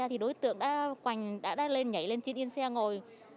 thì đối tượng đã lên nhảy lên trên yên xe ngồi